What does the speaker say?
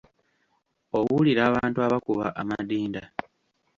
Owulira abantu abakuba amadinda?